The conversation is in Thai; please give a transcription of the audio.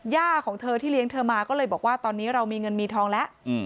ของเธอที่เลี้ยงเธอมาก็เลยบอกว่าตอนนี้เรามีเงินมีทองแล้ว